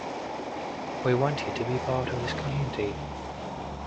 We want you to be part of this community.